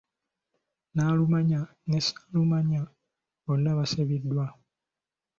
Naalumanya ne ssaalumanya bonna baasibiddwa.